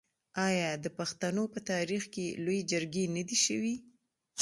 آیا د پښتنو په تاریخ کې لویې جرګې نه دي شوي؟